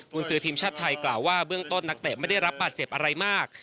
คุณซื้อทีมชาติไทยกล่าวว่าเบื้องต้นนักเตะไม่ได้รับบาดเจ็บอะไรมาก